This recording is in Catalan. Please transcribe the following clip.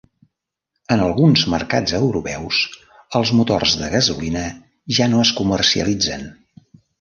En alguns mercats europeus, els motors de gasolina ja no es comercialitzen.